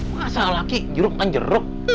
masa lagi jeruk kan jeruk